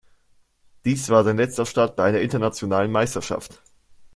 Dies war sein letzter Start bei einer internationalen Meisterschaft.